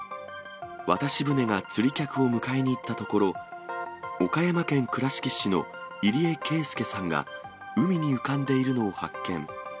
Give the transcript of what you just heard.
渡し船が釣り客を迎えに行ったところ、岡山県倉敷市の入江啓介さんが海に浮かんでいるのを発見。